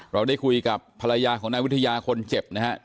เราได้คุยกับภรรยาของนายวิทยาคนเจ็บนะครับ